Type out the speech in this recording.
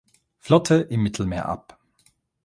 Flotte im Mittelmeer ab.